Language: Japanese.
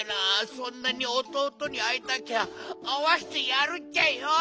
そんなにおとうとにあいたきゃあわしてやるっちゃよ！